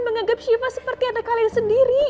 bisa menganggap siva seperti anak kalian sendiri